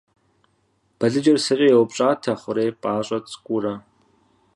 Балыджэр сэкӏэ яупщӏатэ хъурей пӏащӏэ цӏыкӏуурэ.